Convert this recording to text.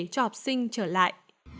cho học sinh trở lại